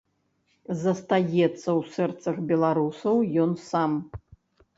Застаецца ў сэрцах беларусаў ён сам.